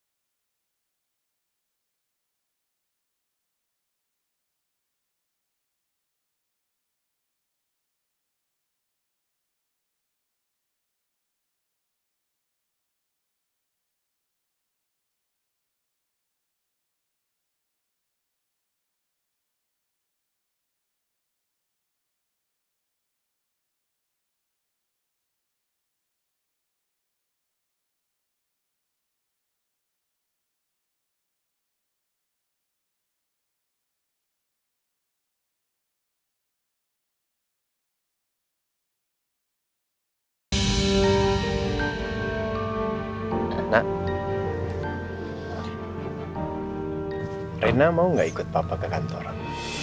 dari kemarin kan aku tiduran terus